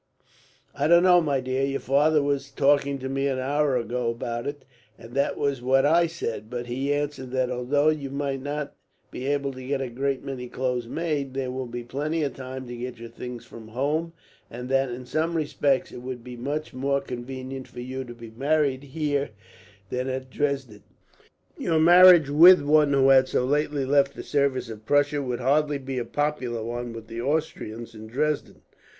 "I don't know, my dear. Your father was talking to me an hour ago about it, and that was what I said; but he answered that, although you might not be able to get a great many clothes made, there will be plenty of time to get your things from home; and that, in some respects, it would be much more convenient for you to be married here than at Dresden. Your marriage, with one who had so lately left the service of Prussia, would hardly be a popular one with the Austrians in Dresden.